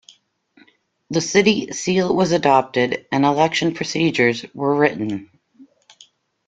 The City Seal was adopted, and election procedures were written.